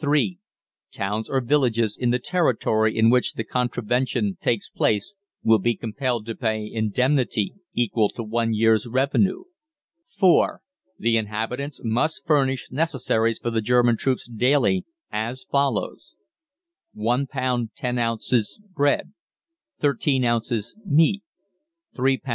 (3) TOWNS OR VILLAGES in the territory in which the contravention takes place will be compelled to pay indemnity equal to one year's revenue. (4) THE INHABITANTS MUST FURNISH necessaries for the German troops daily as follows: 1 lb. 10 oz. bread. 13 oz. meat. 3 lb.